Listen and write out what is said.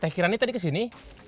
teh kirani tadi kesini